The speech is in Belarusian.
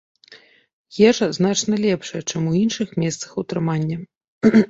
Ежа значна лепшая, чым у іншых месцах утрымання.